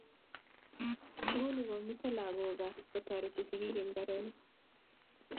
Nguni komito lagok kaa ko tareti sigik eng mbaronik